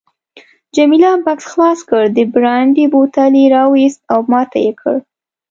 جميله بکس خلاص کړ، د برانډي بوتل یې راوایست او ماته یې راکړ.